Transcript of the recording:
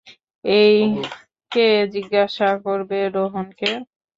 এই, কে জিজ্ঞাসা করবে রোহনকে?